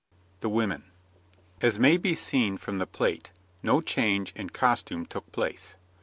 THE WOMEN As may be seen from the plate, no change in costume took place.